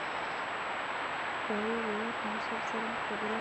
ښکاري د یخ موسم سره مقابله کوي.